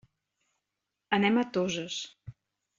Anem a Toses.